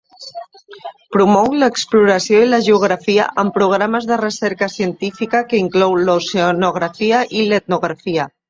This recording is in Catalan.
Promou l'exploració i la geografia amb programes de recerca científica que inclou l'oceanografia i l'etnografia.